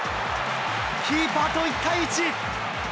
キーパーと１対１。